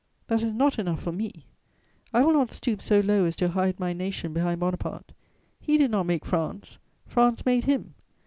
That is not enough for me: I will not stoop so low as to hide my nation behind Bonaparte; he did not make France: France made him.